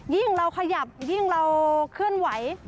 ยิ่งเราขยับยิ่งเราเคลื่อนไหว